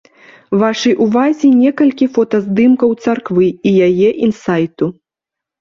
Вашай увазе некалькі фотаздымкаў царквы і яе інсайту.